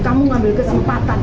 kamu ngambil kesempatan